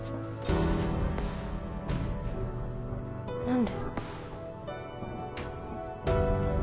何で？